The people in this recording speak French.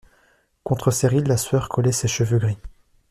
Contre ses rides, la sueur collait ses cheveux gris.